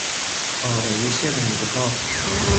آرایش رنگها